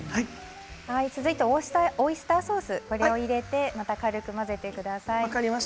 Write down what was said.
続いてオイスターソースを入れて、また軽く混ぜてください。